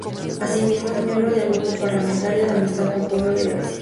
Asimismo es Miembro del Grupo Parlamentario de Amistad con el Pueblo de Grecia.